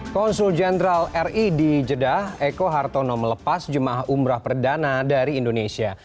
konsul jenderal ri di jeddah eko hartono melepas jemaah umrah perdana dari indonesia